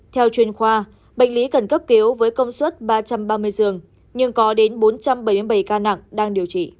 theo chuyên khoa bệnh lý cần cấp cứu với công suất ba trăm ba mươi giường nhưng có đến bốn trăm bảy mươi bảy ca nặng